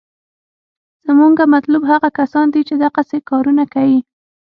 زمونګه مطلوب هغه کسان دي چې دقسې کارونه کيي.